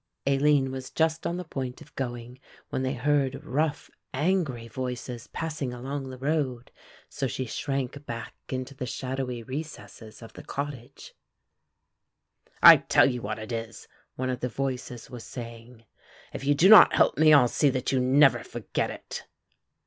Aline was just on the point of going when they heard rough angry voices passing along the road, so she shrank back into the shadowy recesses of the cottage; "I tell you what it is," one of the voices was saying, "if you do not help me I'll see that you never forget it."